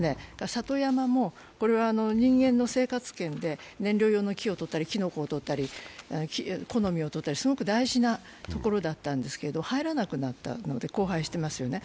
里山も人間の生活圏で燃料用の木をとったり、きのこや木の実をとったり、すごく大事なところだったんですけど入らなくなったので荒廃していますよね。